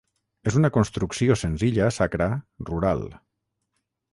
És una construcció senzilla sacra rural.